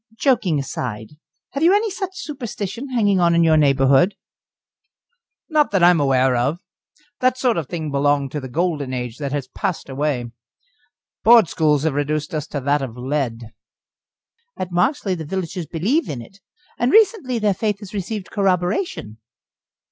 "Joking apart, have you any such superstition hanging on in your neighbourhood?" "Not that I am aware of. That sort of thing belonged to the Golden Age that has passed away. Board schools have reduced us to that of lead." "At Marksleigh the villagers believe in it, and recently their faith has received corroboration."